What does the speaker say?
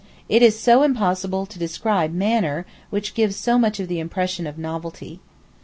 It is so impossible to describe manner, which gives so much of the impression of novelty.